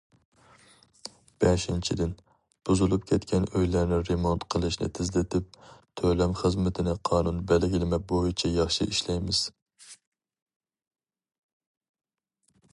بەشىنچىدىن، بۇزۇلۇپ كەتكەن ئۆيلەرنى رېمونت قىلىشنى تېزلىتىپ، تۆلەم خىزمىتىنى قانۇن بەلگىلىمە بويىچە ياخشى ئىشلەيمىز.